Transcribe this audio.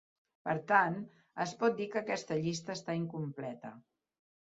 Per tant, es pot dir que aquesta llista està incompleta.